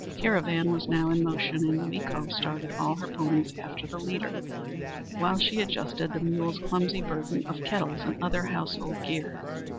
The caravan was now in motion, and Weeko started all her ponies after the leader, while she adjusted the mule's clumsy burden of kettles and other household gear.